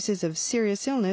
そうですね。